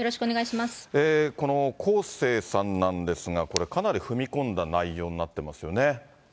このコーセーさんなんですが、これ、かなり踏み込んだ内容になってますよね。